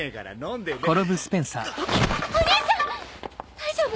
大丈夫？